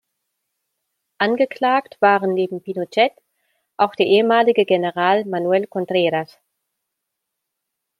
Angeklagt waren neben Pinochet auch der ehemalige General Manuel Contreras.